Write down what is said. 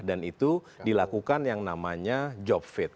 dan itu dilakukan yang namanya job fit